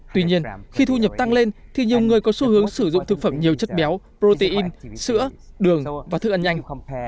tuy nhiên khi thu nhập tăng lên thì nhiều người có xu hướng sử dụng thực phẩm nhiều chất béo protein sữa đường và thức ăn nhanh